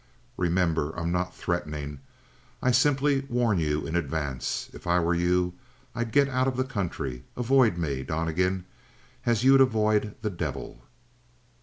Remember, I'm not threatening. I simply warn you in advance. If I were you, I'd get out of the country. Avoid me, Donnegan, as you'd avoid the devil."